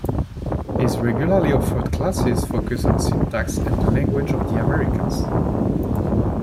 His regularly offered classes focus on syntax and the languages of the Americas.